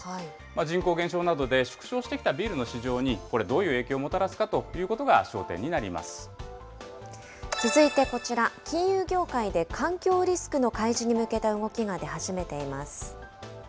人口減少などで縮小してきたビールの市場に、これ、どういう影響をもたらすかということが焦点に続いてこちら、金融業界で環境リスクの開示に向けた動きが出始めています。